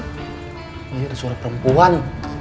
oh iya ada suara perempuan